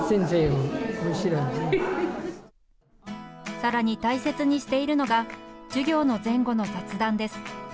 さらに大切にしているのが授業の前後の雑談です。